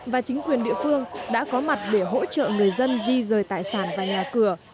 và chính quyền địa phương đã có mặt để hỗ trợ người dân di rời tài sản và nhà cửa